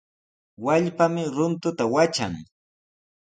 Wallpami runtuta watran.